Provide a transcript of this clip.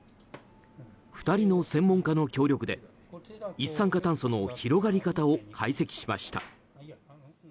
２人の専門家の協力で一酸化炭素の広がり方を解析しました。